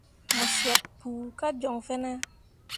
Mo syet kpu kah joŋ fene ?